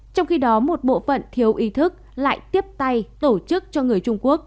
trong khi đó một bộ phận thiếu ý thức lại tiếp tay tổ chức cho người trung quốc